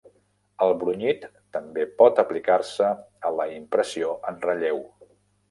El brunyit també pot aplicar-se a la impressió en relleu.